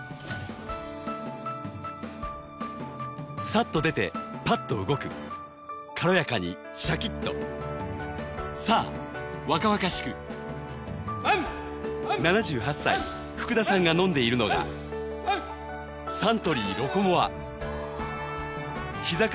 さっと出てパッと動く軽やかにシャキッと７８歳福田さんが飲んでいるのがサントリー「ロコモア」ひざ